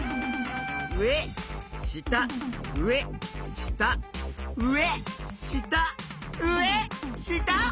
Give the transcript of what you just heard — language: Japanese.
うえしたうえしたうえしたうえした。